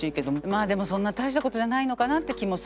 まあでもそんな大した事じゃないのかなって気もするし。